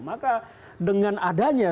maka dengan adanya